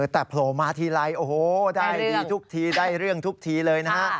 แต่โผล่มาทีไรโอ้โหได้ดีทุกทีได้เรื่องทุกทีเลยนะฮะ